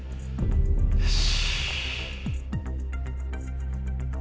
よし！